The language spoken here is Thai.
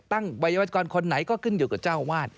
ตั้งไว้วัตกรคนไหนก็ขึ้นอยู่กับเจ้าวาด